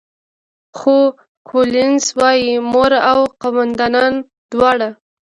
خو کولینز وايي، مور او قوماندانه دواړه.